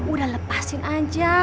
udah lepasin aja